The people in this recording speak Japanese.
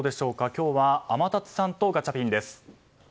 今日は天達さんとガチャピンです。